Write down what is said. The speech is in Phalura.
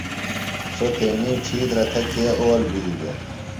سوۡتیݨی ڇِھیترہ تھےۡ کے اول بھی دےۡ؟